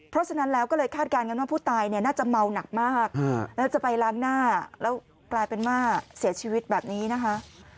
เพราะฉะนั้นแล้วก็เลยคาดการณ์กันว่าผู้ตายเนี่ยน่าจะเมาหนักมากแล้วจะไปล้างหน้าแล้วกลายเป็นว่าเสียชีวิตแบบนี้นะคะ